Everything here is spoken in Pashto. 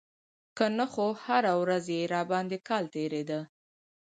که نه خو هره ورځ يې راباندې کال تېرېده.